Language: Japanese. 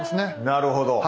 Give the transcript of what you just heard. なるほど。